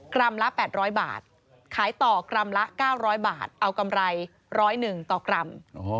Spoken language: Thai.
กรัมละ๘๐๐บาทขายต่อกรัมละ๙๐๐บาทเอากำไร๑๐๑ต่อกรั